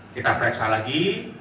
kita periksa lagi